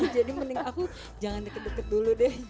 jadi mending aku jangan deket deket dulu deh